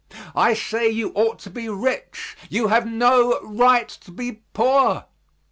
I say you ought to be rich; you have no right to be poor.